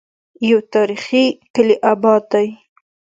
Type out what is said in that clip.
يو تاريخي کلے اباد دی